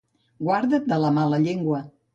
Guarda't de mala llengua.